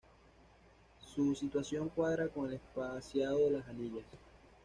Su situación cuadra con el espaciado de las anillas.